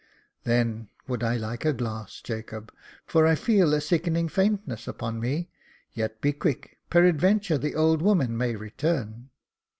" Then would I like a glass, Jacob, for I feel a sickening faintness upon me ; yet be quick, peradventure the old woman may return."